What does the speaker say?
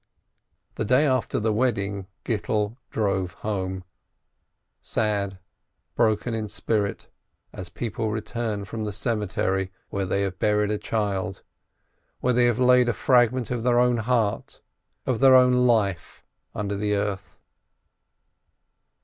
The day after the wedding Gittel drove home, sad, broken in spirit, as people return from the cemetery where they have buried a child, where they have laid a fragment of their own heart, of their own life, under the earth.